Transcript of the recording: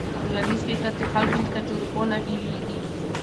ټولنیز فکر د خلکو له تجربو نه بېلېږي.